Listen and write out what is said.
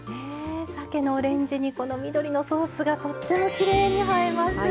さけのオレンジにこの緑のソースがとってもきれいに映えます。